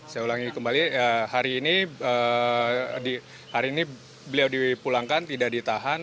saya ulangi kembali hari ini beliau dipulangkan tidak ditahan